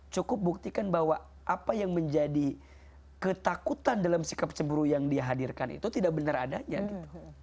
cukup buktikan bahwa apa yang menjadi ketakutan dalam sikap ceburu yang dihadirkan itu tidak benar adanya gitu